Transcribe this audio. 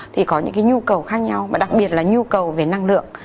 thì có những nhu cầu khác nhau đặc biệt là nhu cầu về năng lượng